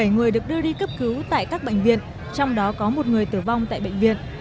bảy người được đưa đi cấp cứu tại các bệnh viện trong đó có một người tử vong tại bệnh viện